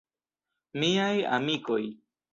Miaj amikoj.